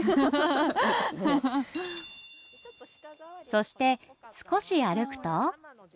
そして少し歩くと。